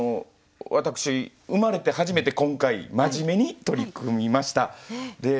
私生まれて初めて今回真面目に取り組みました。